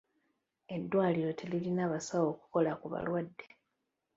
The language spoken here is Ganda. Eddwaliro teririna basawo kukola ku balwadde.